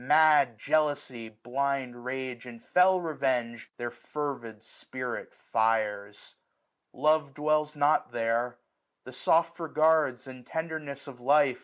Mad jealousy, blind rage, and fell revenge. Their fervid spirit fires. Love dwells not there ; 890 The soft regards, the tenderness of life.